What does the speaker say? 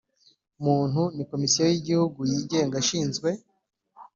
Muntu ni komisiyo y igihugu yigenga ishinzwe